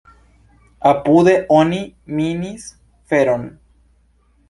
Apude oni minis feron.